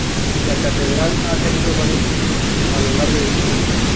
La catedral ha tenido varios usos a lo largo de su historia.